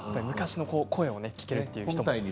昔の声を聞けるという人も。